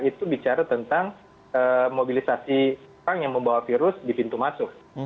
itu bicara tentang mobilisasi orang yang membawa virus di pintu masuk